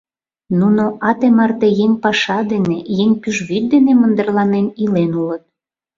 Нуно ате марте еҥ паша дене, еҥ пӱжвӱд дене мындырланен илен улыт.